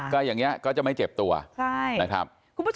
ก็อย่างนี้ก็จะไม่เจ็บตัวนะครับ